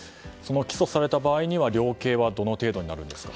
起訴された場合量刑はどの程度になるんですか？